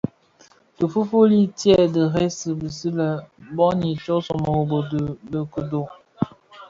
Tifufuli tye dheresi bisi lè bon i ntsōmōrōgō dhi be Kodo,